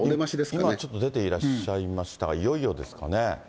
今ちょっと出ていらっしゃいましたが、いよいよですかね。